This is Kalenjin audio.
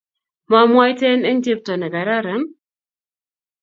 mwamwaiten eng chepto nekararan.